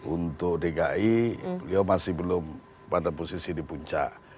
untuk dki beliau masih belum pada posisi di puncak